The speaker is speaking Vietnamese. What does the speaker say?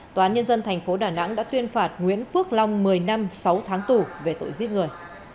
tòa án nhân dân tp đà nẵng đã tuyên phạt nguyễn phước long một mươi năm sáu tháng tù về tội giết người